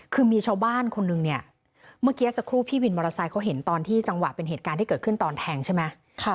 คือมีชาวบ้านคนนึงเนี่ยเมื่อกี้สักครู่พี่วินมอเตอร์ไซค์เขาเห็นตอนที่จังหวะเป็นเหตุการณ์ที่เกิดขึ้นตอนแทงใช่ไหม